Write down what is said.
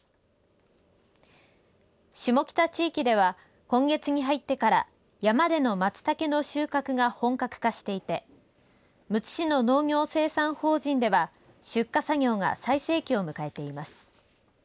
下北地域では今月に入ってから山でのマツタケの収穫が本格化していてむつ市の農業生産法人では出荷作業が最盛期を迎えています。